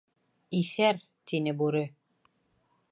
— Иҫәр! — тине бүре.